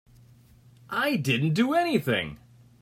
I didn't do anything.